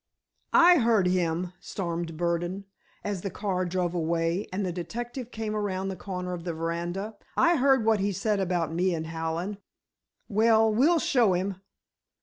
"I heard him," stormed Burdon, as the car drove away, and the detective came around the corner of the veranda. "I heard what he said about me and Hallen. Well, we'll show him!